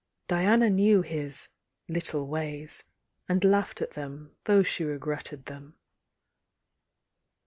Diana knew his "little ways," and laughed at them thou{^ she regretted them.